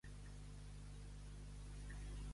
Un bonic bonet ha regalat a en Benet Bonet.